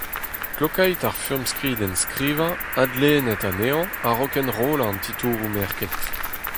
Klokait ar furmskrid enskrivañ, adlennit anezhañ a-raok enrollañ an titouroù merket.